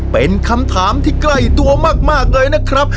เป็นคำถามที่ใกล้ตัวมากเลยนะครับ